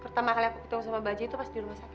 pertama kali aku ketemu sama bajaj itu pas di rumah sakit